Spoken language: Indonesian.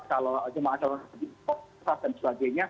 kalau jemaah calon haji